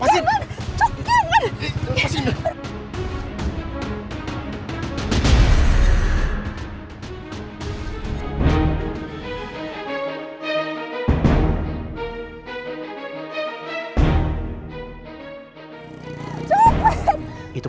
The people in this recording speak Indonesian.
yang sejuk